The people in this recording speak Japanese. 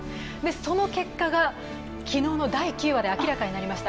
その結果が昨日の第９話で明らかになりました。